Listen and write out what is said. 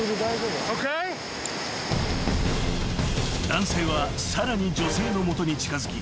［男性はさらに女性の元に近づき］